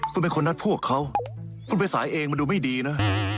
คุณเป็นคนนัดพวกเขาคุณไปสายเองมันดูไม่ดีนะ